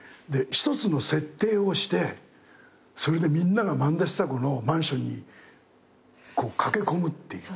一つの設定をしてそれでみんなが萬田久子のマンションにこう駆け込むっていう。